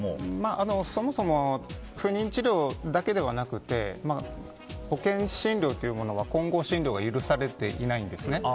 そもそも不妊治療だけではなくて保険診療というものは混合診療が許されていないんですね。